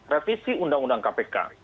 revisi undang undang kpk